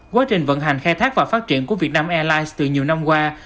quá trình vận hành khai thác và phát triển của việt nam airlines từ nhiều năm qua